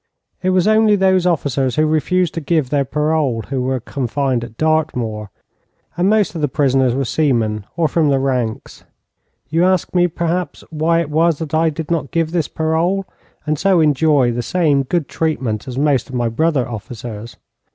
It was only those officers who refused to give their parole who were confined at Dartmoor, and most of the prisoners were seamen, or from the ranks. You ask me, perhaps, why it was that I did not give this parole, and so enjoy the same good treatment as most of my brother officers.